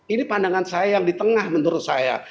ini pandangan saya yang di tengah menurut saya